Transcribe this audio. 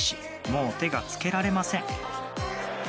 もう手がつけられません。